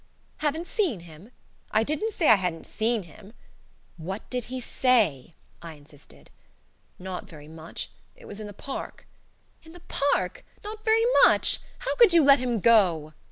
"Haven't seen him?" "I didn't say I hadn't seen him." "What did he say?" I insisted. "Not very much. It was in the Park." "In the PARK? Not very MUCH? How could you let him go?"